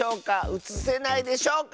うつせないでしょうか？